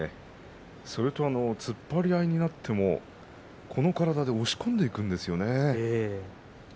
それと突っ張り合いになってもこの体で押し込んでいくんですよね。